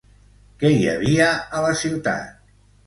Què hi havia a la ciutat?